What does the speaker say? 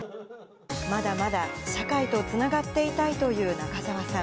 まだまだ社会とつながっていたいという中沢さん。